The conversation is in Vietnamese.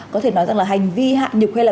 có thể nói rằng là hành vi hạ nhục hay là